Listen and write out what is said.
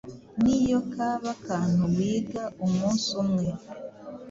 Niyo kaba akantu wiga umunsi umwe,